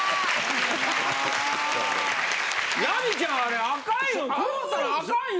ラミちゃんあれあかんよ。